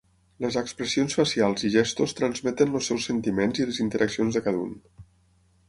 Les expressions facials i gestos transmeten els seus sentiments i les intencions de cada un.